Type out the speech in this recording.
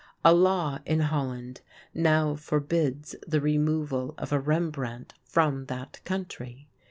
A law in Holland now forbids the removal of a "Rembrandt" from that country.